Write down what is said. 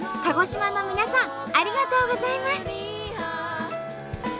鹿児島の皆さんありがとうございます！